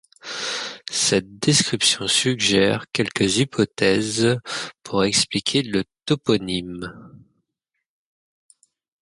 Cette description suggère quelques hypothèses pour expliquer le toponyme.